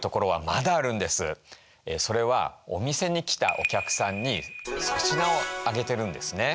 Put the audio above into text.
それはお店に来たお客さんに粗品をあげてるんですね。